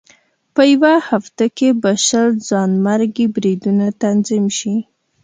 په یوه هفته کې به شل ځانمرګي بریدونه تنظیم شي.